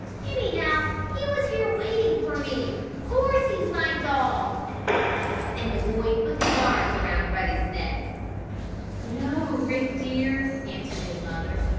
Anyhow he was here waiting for me. Course he's my dog!" and the boy put his arms about Ruddy's neck. "No, Rick dear," answered his mother.